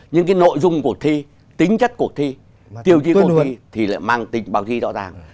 nhưng cái nội dung cuộc thi tính chất cuộc thi tiêu chí cuộc thi thì lại mang tính báo chí rõ ràng